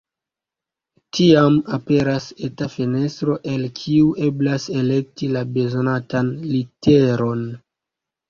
Tiam aperas eta fenestro, el kiu eblas elekti la bezonatan literon.